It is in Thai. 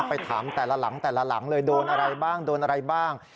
ไปถามแต่ละหลังเลยโดนอะไรบ้างโดนอะไรบ้าง